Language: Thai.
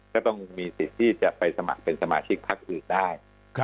ก็ต้องมีสิทธิ์ที่จะไปสมัครเป็นสมาชิกพักอื่นได้